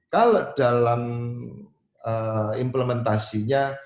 kalau dalam implementasinya